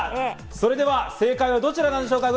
それでは正解はどちらなんでしょうか？